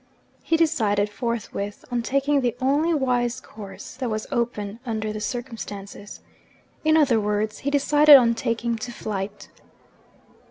He decided forthwith on taking the only wise course that was open under the circumstances. In other words, he decided on taking to flight.